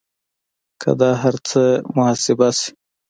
که دا هر څه محاسبه شي